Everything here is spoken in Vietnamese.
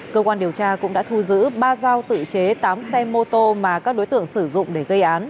cơ quan điều tra cũng đã thu giữ ba dao tự chế tám xe mô tô mà các đối tượng sử dụng để gây án